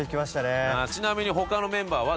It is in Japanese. ちなみに他のメンバーは？